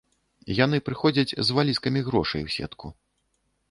Яны прыходзяць з валізкамі грошай у сетку.